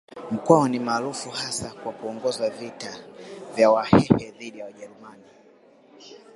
Mkwawa ni maarufu hasa kwa kuongoza vita vya Wahehe dhidi ya Wajerumani